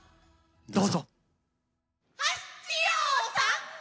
どうぞ。